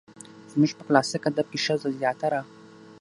زموږ په کلاسيک ادب کې ښځه زياتره